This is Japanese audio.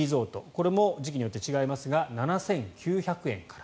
これも時期によって違いますが７９００円から。